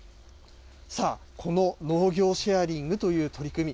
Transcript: さあ、この農業シェアリングという取り組み。